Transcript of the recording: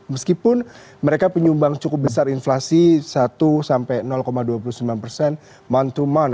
meskipun mereka penyumbang cukup besar inflasi satu sampai dua puluh sembilan month to month